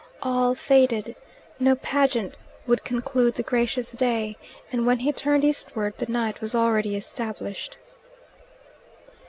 All faded: no pageant would conclude the gracious day, and when he turned eastward the night was already established.